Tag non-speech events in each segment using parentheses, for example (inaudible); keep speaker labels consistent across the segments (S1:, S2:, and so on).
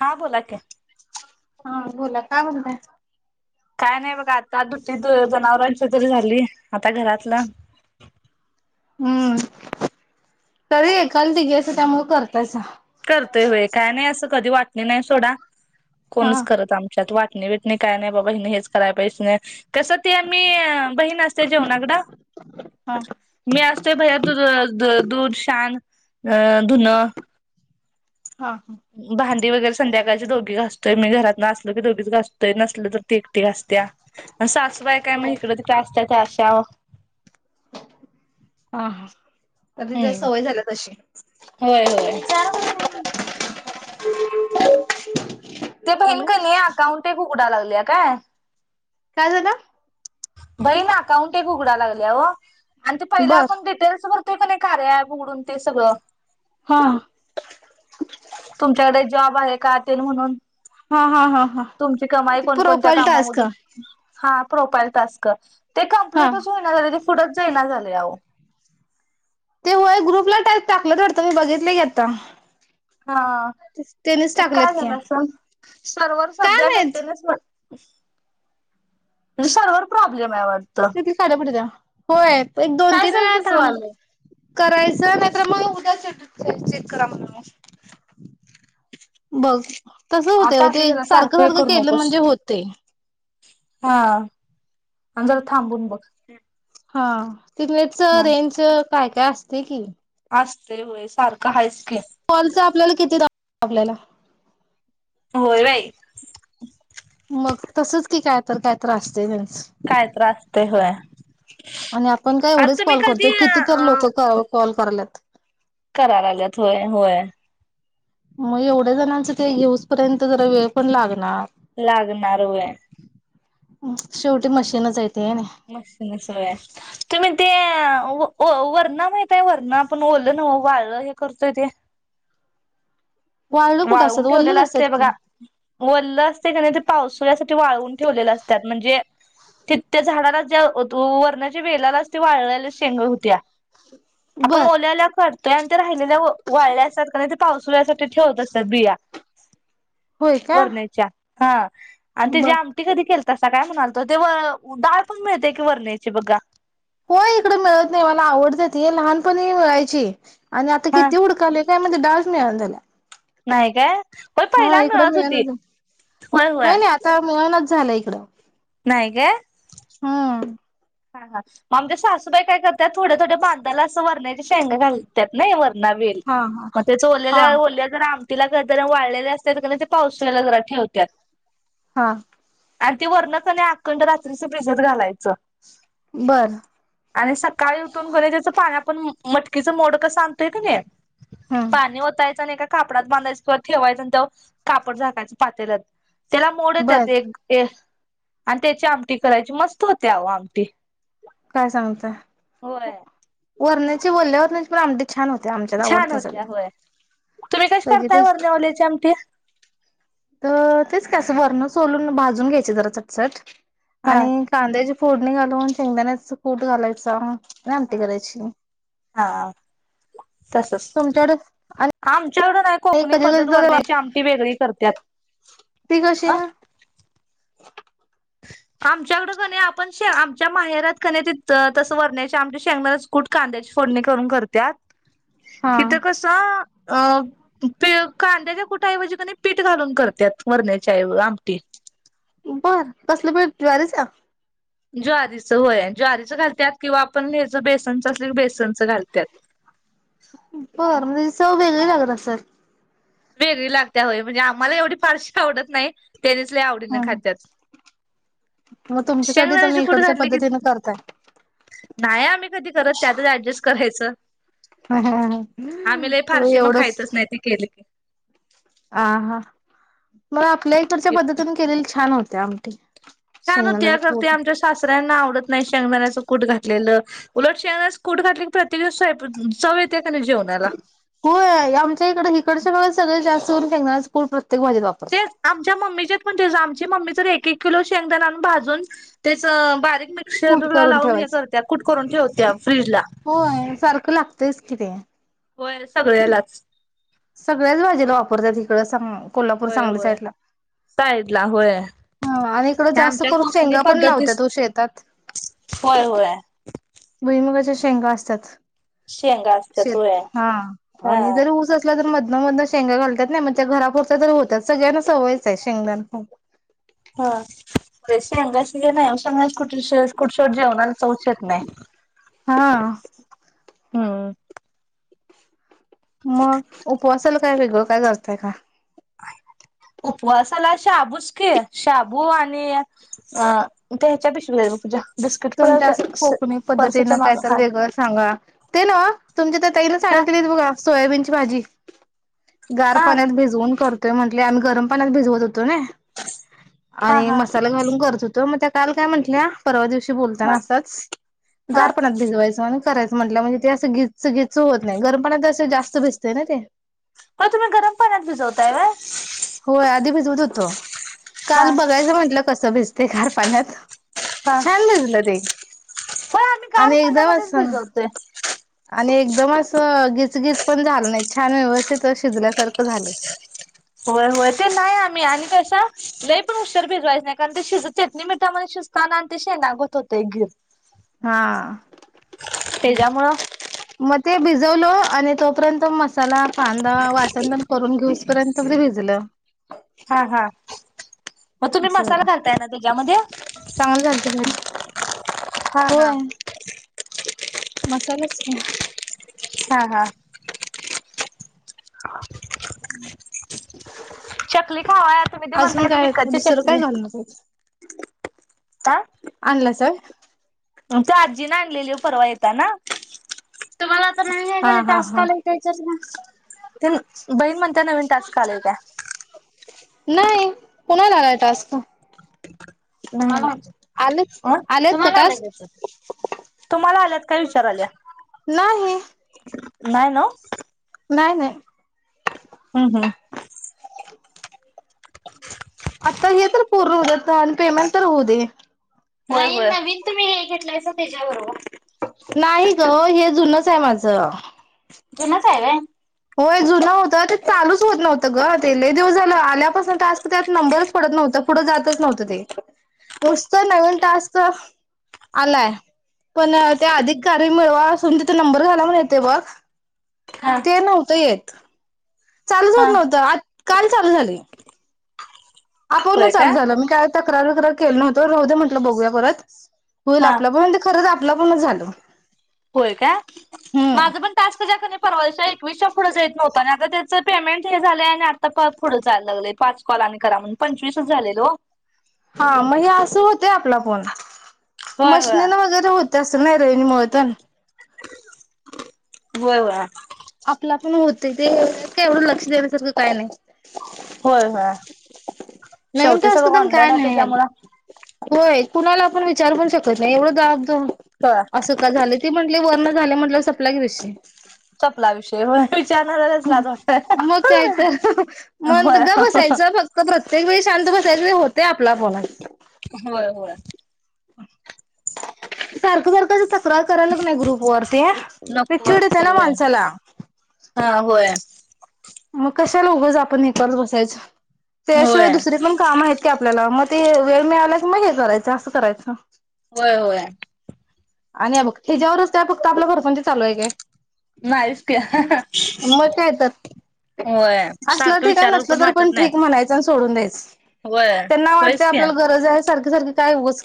S1: हा बोला क
S2: हा बोला काय म्हणताय
S1: काय नाय बघा आता दुटी जनावरांची तरी झाली. आता घरातलं
S2: हम्म तरी हे खलती गॅस ये त्यामूळ कर
S1: करतय होय काय नाय असं कधी वाटली नाय सोडा
S2: हा
S1: कोणच करत आमच्यात वाट इनी विटने काय नाय बाबा हिन हेच कराय पाये (unintelligible) कसं ते मी बहीण असते जेवणाकड
S2: हा
S1: मी असतोय भायर दू दू दूध, शान अ धुन
S2: हा हा
S1: भांडी वगैरे संध्याकाळचे दोघी घासतोय मी घरातन असलो की दोघीच घासतोय नसल तर ती ती घासत्या म सासूबाई काय म इकडं तिकड असत्या त्या अशा
S2: हा ह तर तिथ
S1: हम्म
S2: सवय झाल्या तशी
S1: होय होय.
S2: (inaudible)
S1: ते बहीण
S2: हॅलो
S1: का नाय अकाउंट एक उघडा लागल्या काय
S2: काय झालं.
S1: बहीण अकाउंट एक उघडा लागल्या वो आणि ते पहिला
S2: बर
S1: आपण डिटेल्स भर तो कनाय कार्या ऍप उघडून ते सगळं
S2: हा
S1: तुमच्याकडे जॉब आहे का तेन म्हणून
S2: हा हा हा हा
S1: तुमची कमाई
S2: ते
S1: कोण कोणत्या
S2: प्रोफाईल टास्क
S1: कामामधून हा प्रोफाईल टास्क ते
S2: हा
S1: कंप्लीटचं होईना झालय ते पुढच जाईना झालय आहो.
S2: ते होय ग्रुपला टाईप टाकलंतं वाटत मी बघितलं की आता
S1: हा
S2: त्यानीच
S1: ते
S2: टाकलेत
S1: काय
S2: की
S1: झालं असन सर्वर
S2: काय
S1: सध्या
S2: माहित
S1: मेंटेनन्स म्हणजे सर्वर प्रॉब्लेम हाय वाट
S2: (unintelligible) होय एक दोन
S1: काय
S2: तीन
S1: झालं
S2: वेळा
S1: तसं
S2: थांब
S1: व्हालंय
S2: करायचं नायतर मग उद्या (unintelligible) चेक करा म्हण म बघ तस होतय ओ
S1: आता
S2: ते
S1: असू दे ना
S2: सारखं
S1: हे
S2: सारखं
S1: करू
S2: केलं
S1: नकोस
S2: म्हणजे होतय.
S1: हा आणि जरा थांबून बघ
S2: हा तिथच
S1: हा
S2: रेंज काय काय असतय की, -
S1: असतंय होय सारखं हायच की
S2: कॉलच आपल्याला किती आपल्याला-
S1: होय बाई
S2: मग तसच की काय तर काय आसतय हं
S1: काय त्रासतय होय.
S2: आणि आपण काय
S1: आता
S2: एवढेच
S1: तुम्ही
S2: कॉल
S1: कधी
S2: करतो
S1: अ
S2: कितीत लोक कॉल करल्यात
S1: करा लागत होय होय
S2: मग एवढ्या जणांचं ते येऊस पर्यंत जरा वेळ पण लागणार
S1: लागणारय
S2: शेवटी मशीनच य
S1: मशन (unintelligible) सोय तुम्ही ते वरणा माहित आहे वरणा पण ओलं ना वाळ हे करतोय ते
S2: वाळलं कुठं
S1: वाळउन
S2: असतात वल्लेच
S1: ठेवलेलं
S2: असतात
S1: असते बघा
S2: की.
S1: वलं असते क नाही पावसाळ्यासाठी वाळवून ठेवलेले असतात म्हणजे ति त्या झाडालाच ज्या वरणाच्या वेळेलाच ते वाळयल्या शेंग हुत्या आपण
S2: बर
S1: ओल्याला करतोय आणि ते राहिलेल्या वाळल्या असतात कार (unintelligible) नाही ते पावसळसाठी ठेवत असतात बिया
S2: होय का
S1: वरण्याच्या हा आणि तेजी
S2: बर.
S1: आमटी कधी के तसा काय म्हणालत ते व डाळ पण मिळते की वरण्याची बघा
S2: होय इकड मिळत नाही मला आवडत त हे लहानपणी मिळायची आणि आता
S1: हा
S2: किती उडकालोय म डमिला (unintelligible)
S1: नाही काय होय
S2: हा
S1: पहिला
S2: इकडं
S1: मिळत होती
S2: मिळणच होय ना आता मिळणचं झालं इकडं
S1: नाही काय
S2: हम्
S1: हा हा मग आमच्या सासूबाई काय करत्यात थोड थोड बांधाला असं वरण्याचे शेंगा घालत्यात नाही वर (unintelligible)
S2: हा हा
S1: मग
S2: हा
S1: त्याल्याल्या (unintelligible) आ तिला गदरा वाळलेले असत तर ते पावसाळळेला जरा ठेवत्यात
S2: हा
S1: आणि ती वर्णकने अखंड रात्रीच फ्रिजत घालायचं
S2: बर
S1: आणि सकाळी उठून बरे त्याच पाण्या पण मटकीचं मोड कस आणतोय क नाही
S2: हम्म
S1: पाणी वतायचं नाही का कापडात बांधायचं किंवा ठेवायचं त्याव कापड झाकायच पातेर त्याला मोडत
S2: बर
S1: येत्यात एक आणि त्याची आमटी करायची मस्त होते अव आमटी
S2: काय सांगताय
S1: होय
S2: वरण्याची बोलल्या (unintelligible) वरण्याची पण आमटी छान होत ते आमच्यात
S1: छान
S2: आवडत
S1: होत्या होय. तुम्ही कशी
S2: सगळ्यां
S1: करताय वरण्यावल्याची आमटी?
S2: तर तेच का अस वरण सोलून भाजून घ्यायचे जरा चटचट
S1: हा
S2: आणि कांद्या ज फोडणी घालून शेंगदाण्याचा कुट घालायचां आमटी करायची
S1: हा
S2: तुमच्याकड (unintelligible)
S1: आमच्याकड काय कोकणी पद्धत वर्ण्याची आमटी वेगळी करत्यात
S2: ती कशी ह
S1: (inaudible) आमच्याकडं क नाही आपण शे आमच्या माहेरात क नाय तसं वरण्याची आमटी शेंगदाारच कूट कांद्याची करून
S2: हा.
S1: करत्यात इथ कस अ प ते कांद्याच्या कुठऐवजी क नाही पीठ घालून करतात व वरण्याची आमटी
S2: बर कसलं प ज्वारीच
S1: ज्वारीच होय ज्वारीच घालतत किंवा आपण हेच बेसनच असली क बेसन
S2: बर म्हणजे चव वेगळी लागत असर
S1: वेगळी लागत्या होय म्हणजे आम्हाला एवढी फारशी आवडत नाही टेनिसला (unintelligible) आवडी ना खातद्यात
S2: मग तुमच्यासाठी तुम्ही इकडच्या
S1: की
S2: पद्धतीने करताय
S1: नाही आम्ही कधी करत त्यातच ऍडजस्ट करायचं आम्हीलय
S2: हो
S1: फारशी मग खायचच
S2: एवढंच
S1: नाही त केली की
S2: आ हा मला आपल्या इकडच्या पद्धतीने केलेली छान होत्या आमटी
S1: छान
S2: शेंगदाण्याच
S1: होत्या करते
S2: कूट.
S1: आमच्या शासऱ्यांना आवडत नाही शेंगदाण्याच कुठ घातलेलं उलट श (unintelligible) कुट घातले क प्रत्येक च (unintelligible)
S2: होय आमच्या इकड इिकडच्या सगळ सगळ जास्त होऊनणार प्रत्य (unintelligible) तेग (unintelligible) माझ्या वापरत
S1: म्हणजे आमची मम्मी तर ऐक ऐक किलो शेंगदाणा भाजून तेच बारीक
S2: कूट
S1: मिक्सर ला
S2: करून
S1: लावून हे
S2: ठेवायच
S1: करत्या कुट करून ठेवत्या फ्रीजला
S2: किती आहे
S1: होय सगळ्यालाच
S2: सगळ्याच भाजीला वापरतात इकड सां कोल्हापूर
S1: होय
S2: सांगली
S1: होय.
S2: साईडला
S1: साईड ला होय
S2: ह आणि इकड जास्त
S1: आमच्या
S2: करून
S1: कोकणी
S2: शेंगा पण
S1: पद्धतीस
S2: लावत्यात शेतात
S1: होय होय
S2: भुईमुगाच्या शेंगा असतात
S1: शेंगा असत्यात
S2: शेत
S1: होय
S2: हा
S1: हा
S2: आणि जर ऊस असला तर म न मध शेंगा घालतात नाही म्हणजे घरापुरच्या तरी होतात सगळ्यांना सवयचं आहे शेंगदाना
S1: हा रेश हंगास गला स (unintelligible) कुठ कुठसोड जेवणाला चौचत नाही
S2: हा
S1: (unintelligible) हम्
S2: मग उपवासाला काय वेगळं काय करतय का
S1: आहे उपवासाला शाबूच क शाबू आणि अ त्याच्या पश पूजा बिस्किट
S2: तुमच्या
S1: पुढ
S2: असं कोकणी पद्धतीनं
S1: पर्सच्या माग
S2: कायत
S1: हा.
S2: वेगळं सांगा ते ना तुमच्या तर त ना
S1: हा
S2: सांगित बघा सोयाबीनची भाजी गार
S1: हा
S2: पाण्यात भिजवून करत म्हटले आम्ही गरम पाण्यात भिजवत होतो ना
S1: हा
S2: आणि
S1: हा
S2: मसाला घालून करत होतो त मग त्या काल काय म्हंटल्या परवा दिवशी
S1: हा
S2: बोलताना असंच
S1: हा
S2: गारपणात भिजवायचं म्ह करायच म्हट म्हणजे ते असं घीच घीच होत नाही गरम पाण्यात जास्त भिजताना ते
S1: मग तुम्ही गरम पाण्यात भिजवताय
S2: होय आधी भिजवत होतो
S1: हा
S2: काल बघायचं म्हंटलं कसं भिजते गार पाण्यात
S1: हा
S2: छान भिजलं ते
S1: होय आम्ही गार
S2: आणि एकदम
S1: पाण्यामध्येच
S2: अस
S1: भिजवतोय
S2: आणि एकदम घिचगीच पण झालं नाही छान व्यवस्थित शिजल्यासारखं झालं.
S1: होय होय ते नाही आम्ही आणि तशा नाही पण उशर भिजवायच नाही कारण ते शिज चटणी मिट मध्ये शिजत काना तशे लागत होतेय गिर
S2: हा
S1: त्याच्यामुळे
S2: मग ते भिजवलं आणि तोपर्यंत मसाला कांदा वाटण पण करून घेऊ इसपर्यंत मी भिजलं.
S1: हा हा मग तुम्ही
S2: असं
S1: मसाला
S2: झालं
S1: घालताय ना त्याच्यामध्ये!
S2: चांगलं झालं ते भाजी
S1: हा हा
S2: होय मसालाच का?
S1: हा हा हम् चकली खावाय तुम्ही ते
S2: अजून
S1: म्हणताय ते
S2: काय
S1: विकतची
S2: दुसरं काय
S1: चकली
S2: घालणार
S1: काय?
S2: आणनला सर (unintelligible)
S1: मग त आजीने आणलेली परवा येताना तुम्हाला नाही
S2: हा
S1: आहे
S2: हा हा.
S1: टास्कालाकायच्यात ना तन बईन मंत नवीन टास् काले का (unintelligible)
S2: नाही कोणाला आलाय टास्क
S1: त्हाला
S2: आलेच आलेत का
S1: तुम्हाला
S2: टास्क?
S1: लगायचं (unintelligible) तुम्हाला आल्यात काय विचार आल्या
S2: नाही
S1: नाही
S2: नाही नाही
S1: हम्म हम्म
S2: आता हे तर पूर्ण होऊ दे आणि पेमेंट तर होऊ दे.
S1: नाही (inaudible) नवीन तुम्ही हे घेतलायसा त्याच्याबरोबर.
S2: नाही ग हे जुनच हाय माझं.
S1: जुनंच हाय हे.
S2: हो हे जुन होतं ते चालूच होत नव्हत ग, ते. लय दिवस झालं, आल्यापासून टास्क, त्यात नंबरच पडत नव्हत तर पुढं जातच नव्हतं ते, नुसतं नवीन टास्क आलाय. पण त्या अधिक कार्य मिळवा, अस, तिथ नंबर घाला, म्हणून येते बघ.
S1: हा
S2: ते नव्हतं येत. चालूच होत
S1: हा
S2: नव्हत. आ काल चालू झालेय. आपून
S1: होय का
S2: चालू झालं, मी काय तक्रार, तक्रार केलं नव्हतो राहू दे, म्हटलं बघूया परत. होईल
S1: हा
S2: आपलं, पण ते खरंच आपल (unintelligible) झालं
S1: होय काय
S2: हम्म
S1: पुढंेत नव्हत आणि आता त्याच पेमेंट हे झालंय आणि आता टास्क पुढं जायला लागले पाच कॉल आनी करा म्हण, पंचवीस. झालेल ओ.
S2: हा मग असं होतेय. आपला फोन
S1: होय होय
S2: मशनिन वगैरे होते असं नाही (unintelligible)
S1: व्हय व्हय.
S2: आपला पण होते. ते एवढं लक्ष देण्यासारखं काय नाही.
S1: होय होय.
S2: नवीन
S1: शेवटी
S2: टास्क
S1: सगळ
S2: पण
S1: ऑनलाईन
S2: काय
S1: आहे,
S2: नाही
S1: त्याच्यामुळ
S2: होय कुणाला आपण विचारु. पण शकत नाही एवढं दाब द
S1: होय
S2: असं का झालं ते म्हण ते वरन झाले म्हटलं, सप्लाय कशी
S1: चपला विषयी होय. विचारणाऱ्यालाच लाज
S2: मग
S1: वाटते
S2: काय तर म गप
S1: होय
S2: बसायचं, फक्त प्रत्येक वेळी शांत बसाय सगळे होते आपला फोन आजच
S1: होय होय.
S2: सारखं सारखंच येत. (unintelligible) करायला नाही ग्रुप वरती मग
S1: नको
S2: चीड येते
S1: वाटतय
S2: ना,
S1: व्हय
S2: माणसाला.
S1: हा होय.
S2: मग कशाला उगच आपण हेकत बसायचं. त्याशिवाय
S1: होय
S2: दुसरी पण काम आहेत की आपल्याला. मग ते वेळ मिळाला की, मग हे करायचं असं करायचं.
S1: होय. होय.
S2: आणि या बघ ह्याच्या वरच काय फक्त आपलं प्रपंच कोणच चालू आहे काय?
S1: नाहीच की.
S2: मग काय तर
S1: होय
S2: असलं
S1: सारखं
S2: ठीक आहे,
S1: विचारावं
S2: नसलं तरी पण
S1: वाटत नाही
S2: ठीक म्हणायचं. असं सोडून द्यायचं.
S1: होय
S2: त्यांना वाटत
S1: होयच की हा
S2: आपल्याला गरज आहे, सारखी सारखी काय उगाच.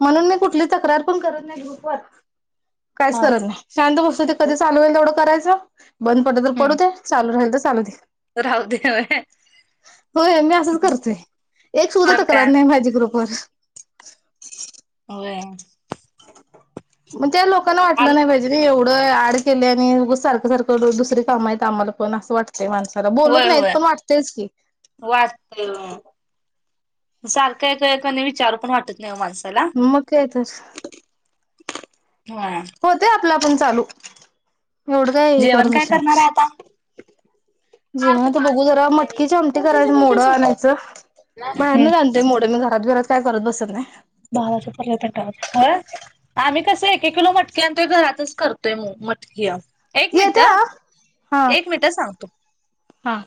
S2: म्हणून मी कुठली तक्रार पण करत नाही, ग्रुप वर. काहीच
S1: हम्म
S2: करत नाही. शांत बस्तू ते कधी चालू होईल तेवढं करायचं, बंद पडलं, तर पडू दे, चालू राहिलं तर. चालू दे.
S1: राहु दे. व्हय.
S2: होय मी असंच करतोय, एक सुुद्धा
S1: तर
S2: तक्रार
S1: काय
S2: नाही माझी ग्रुप बर.
S1: होय.
S2: त्या लोकांना वाटलं
S1: आल
S2: नाही पाहिजे न एवढं ऍड केले आणि उगाच सारखं- सारखं रोज दुसरे काम आहेत आम्हाला पण, असं वाटत ते माणसाला बोलत
S1: होय
S2: नाहीत,
S1: होय
S2: पण वाटतेच की.
S1: वाटतय होय सारखं हाय का, विचारू पण वाटत नाही माणसं
S2: म म काय तर.
S1: व्हया.
S2: पण चालू, एवढं काय
S1: जेवण
S2: करत
S1: काय करणार
S2: बसलास?
S1: आहे आता
S2: जेवणात बघू जरा, मटकीची आमटी करायला मोडं आणायचं बाहेरन
S1: हम्म
S2: आणते मी मोड, घरात घिरात काय करत बसत नाय.
S1: भावाच पर्यटन टाव आम्ही कसं एक किलो मटके आणतोय घरातच करतोय म्हणून मट एक मिनिट
S2: येत्या हा
S1: एक मिनिट सांगतो
S2: हा